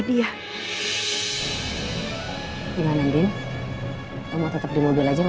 mama mama gak kenapa kenapa sayang